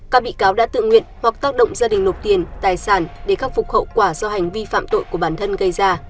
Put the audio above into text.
các bị cáo đã tự nguyện hoặc tác động gia đình nộp tiền tài sản để khắc phục hậu quả do hành vi phạm tội của bản thân gây ra